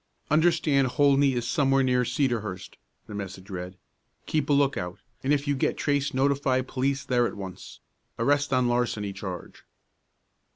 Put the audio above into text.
"Understand Holdney is somewhere near Cedarhurst," the message read. "Keep a lookout, and if you get trace notify police there at once. Arrest on larceny charge."